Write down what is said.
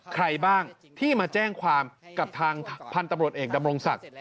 ใครบ้างที่มาแจ้งความกับทางพันธุ์ตำรวจเอกดำรงศักดิ์